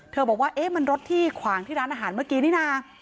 บอกว่าเอ๊ะมันรถที่ขวางที่ร้านอาหารเมื่อกี้นี่นะ